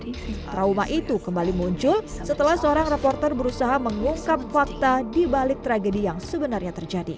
trauma itu kembali muncul setelah seorang reporter berusaha mengungkap fakta dibalik tragedi yang sebenarnya terjadi